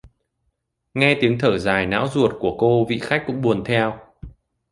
Nghe tiếng thở dài não ruột của cô vị khách cũng buồn theo